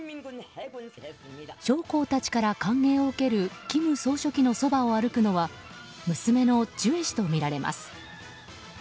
将校たちから歓迎を受ける金総書記のそばを歩くのは娘のジュエ氏とみられます。